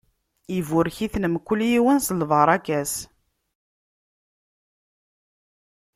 Iburek-iten, mkul yiwen s lbaṛaka-s.